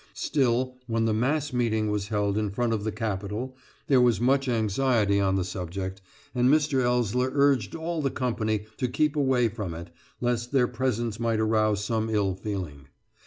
Still, when the mass meeting was held in front of the Capitol, there was much anxiety on the subject, and Mr. Ellsler urged all the company to keep away from it, lest their presence might arouse some ill feeling.